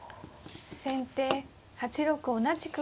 先手８六同じく歩。